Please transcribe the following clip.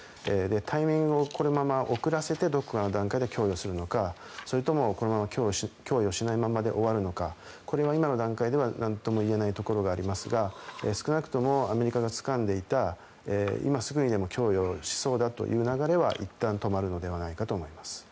タイミングをこのまま遅らせてどこかの段階で供与するのか、それともこのまま供与しないままで終わるのかこれは今の段階ではなんとも言えないところがありますが少なくともアメリカがつかんでいた今すぐにでも供与しそうだという流れはいったん止まるのではないかと思います。